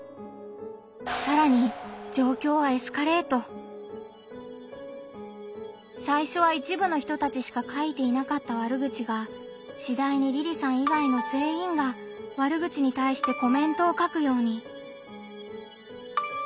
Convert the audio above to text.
さらに最初は一部の人たちしか書いていなかった悪口がしだいにりりさん以外の全員が悪口に対してコメントを書くように。